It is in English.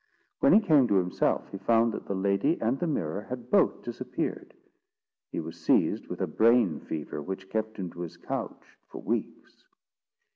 When he came to himself, he found that the lady and the mirror had both disappeared. He was seized with a brain fever, which kept him to his couch for weeks.